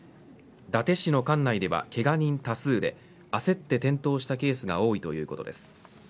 伊達市の管内ではけが人多数で焦って転倒したケースが多いということです。